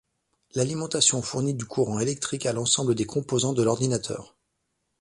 L’alimentation fournit du courant électrique à l’ensemble des composants de l’ordinateur.